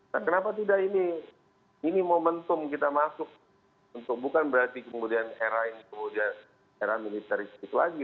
nah kenapa tidak ini momentum kita masuk untuk bukan berarti kemudian era ini kemudian era militeristik lagi